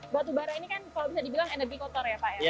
batubara ini kan kalau bisa dibilang energi kotor ya pak